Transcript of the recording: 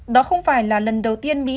đó không phải là lần đầu tiên mỹ đề nghị